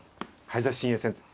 早指し新鋭戦って。